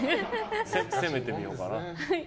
攻めてみようかな。